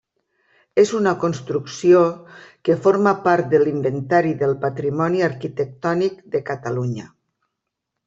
És una construcció que forma part de l'Inventari del Patrimoni Arquitectònic de Catalunya.